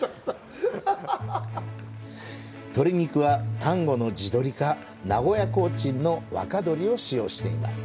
鶏肉は丹後の地鶏か名古屋コーチンの若鶏を使用しています。